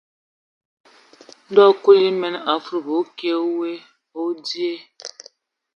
Ndɔ Kulu emen a afudubu a nkwe: nkwe o dzyee.